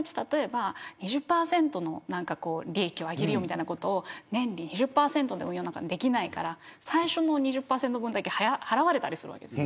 ２０％の利益をあげるよみたいなことを年利２０％で運用なんかできないから最初の２０％分だけ払われたりするんです。